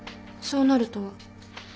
「そうなる」とは？